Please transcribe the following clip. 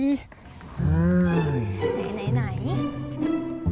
ไหน